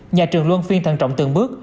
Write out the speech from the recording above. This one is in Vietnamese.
nhà trường luôn phiên thần trọng từng bước